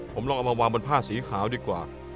ผมลองเอามาวางบนผ้าสีขาวดีกว่า